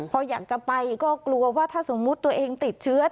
พออยากจะไปก็กลัวว่าถ้าสมมุติตัวเองติดเชื้อ